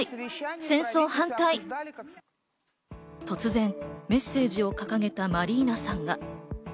突然メッセージを掲げたマリーナさんが。